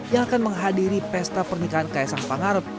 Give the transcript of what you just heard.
yang akan menghadiri pesta pernikahan ksh pangarap